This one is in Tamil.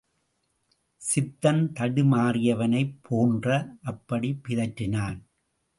சித்தம் தடுமாறியவனைப் போன்று, அப்படிப் பிதற்றினான்.